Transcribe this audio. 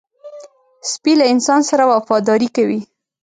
سپي له انسان سره وفاداري کوي.